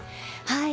はい。